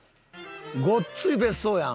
ごっつい別荘やん。